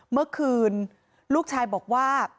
เมื่อคืนลูกชายบอกว่า